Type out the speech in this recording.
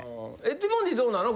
ティモンディどうなの？